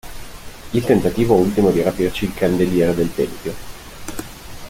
Il tentativo ultimo di rapirci il candeliere del Tempio.